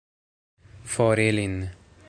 For ilin!